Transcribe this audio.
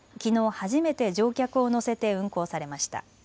初めて乗客を乗せて運航されました。